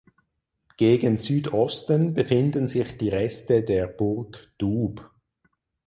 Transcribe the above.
Gegen Südosten befinden sich die Reste der Burg Dub.